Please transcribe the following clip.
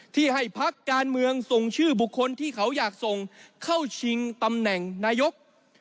ที่ให้พักการเมืองส่งชื่อบุคคลที่เขาอยากส่งเข้าชิงตำแหน่งนายก